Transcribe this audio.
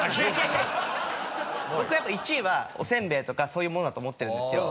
僕やっぱ１位はおせんべいとかそういうものだと思ってるんですよ。